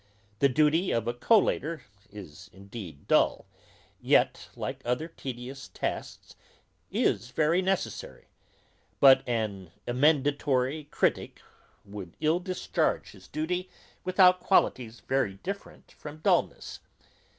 The duty of a collator is indeed dull, yet, like other tedious tasks, is very necessary; but an emendatory critick would ill discharge his duty, without qualities very different from dullness.